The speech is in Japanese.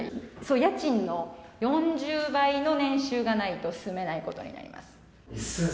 家賃の４０倍以上の年収がないと住めないことになります。